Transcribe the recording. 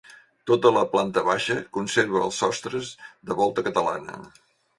Tota la planta baixa conserva els sostres de volta catalana.